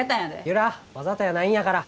由良わざとやないんやから。